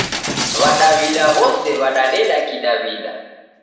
Wadawida wose wadadeda kidawida